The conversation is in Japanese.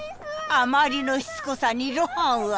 あまりのしつこさに露伴は。